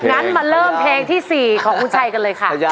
งั้นมาเริ่มเพลงที่๔ของคุณชัยกันเลยค่ะ